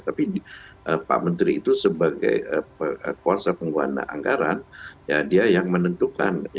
tapi pak menteri itu sebagai kuasa pengguna anggaran ya dia yang menentukan